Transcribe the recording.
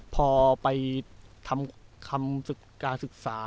พอไปทำการศึกษา